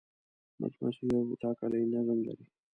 مچمچۍ یو ټاکلی نظم لري